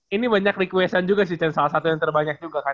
ini banyak request an juga sih chen salah satu yang terbanyak juga kan